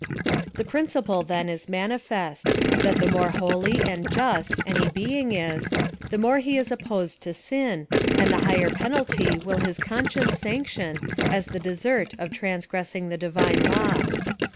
The principle then is manifest, that the more holy and just any being is, the more he is opposed to sin, and the higher penalty will his conscience sanction as the desert of transgressing the Divine law.